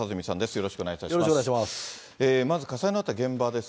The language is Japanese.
よろしくお願いします。